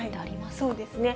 そうですね。